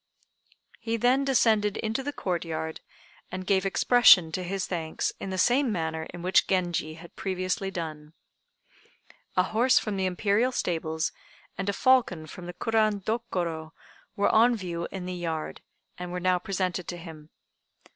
He then descended into the Court yard, and gave expression to his thanks in the same manner in which Genji had previously done. A horse from the Imperial stables and a falcon from the Kurand Dokoro were on view in the yard, and were now presented to him.